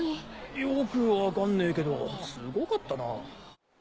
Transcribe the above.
よく分かんねえけどすごかったな。